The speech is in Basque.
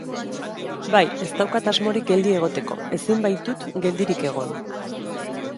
Bai, ez daukat asmorik geldi egoteko, ezin baitut geldirik egon.